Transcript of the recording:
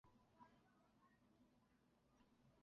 裂隐蟹为玉蟹科裂隐蟹属的动物。